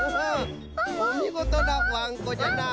おみごとなワンコじゃなあ。